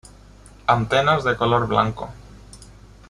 Antenas de color blanco.